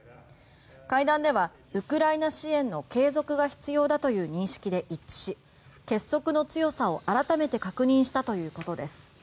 会談ではウクライナ支援の継続が必要だという認識で一致し結束の強さを改めて確認したということです。